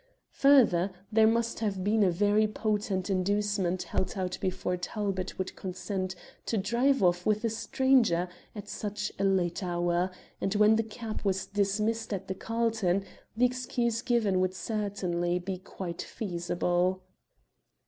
Further, there must have been a very potent inducement held out before Talbot would consent to drive off with a stranger at such a late hour, and when the cab was dismissed at the Carlton, the excuse given would certainly be quite feasible.